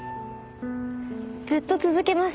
ずっと続けます。